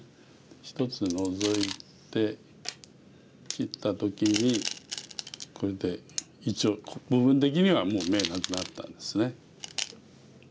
１つノゾいて切った時にこれで一応部分的には眼なくなったんですね。